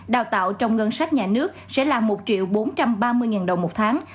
đào tạo trong ngân sách nhà nước sẽ là một bốn trăm ba mươi đồng một tháng